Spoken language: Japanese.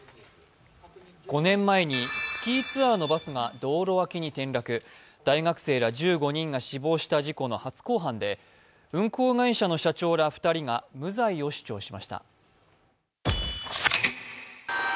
５年前にスキーツアーのバスが道路脇に転落、大学生ら１５人が死亡した事故の初公判で運行会社の社長ら２人が無罪を主張しました。